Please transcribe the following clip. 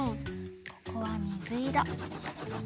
ここはみずいろ。